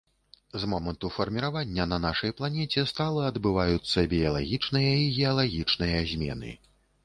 З моманту фарміравання на нашай планеце стала адбываюцца біялагічныя і геалагічныя змены.